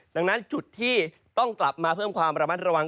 ดังนั้นจุดที่ต้องกลับมาเพิ่มความระมัดระวัง